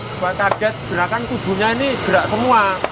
supaya kaget gerakan tubuhnya ini gerak semua